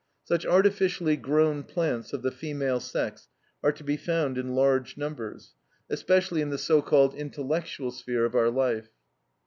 Such artificially grown plants of the female sex are to be found in large numbers, especially in the so called intellectual sphere of our life.